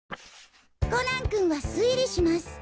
コナン君は推理します」。